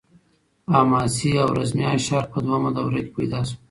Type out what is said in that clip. حماسي او رزمي اشعار په دویمه دوره کې پیدا شول.